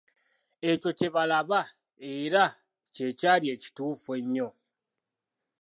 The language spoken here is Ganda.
Ekyo kye baalaba era kye kyali ekituufu ennyo.